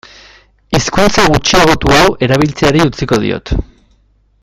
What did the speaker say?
Hizkuntza gutxiagotu hau erabiltzeari utziko diot.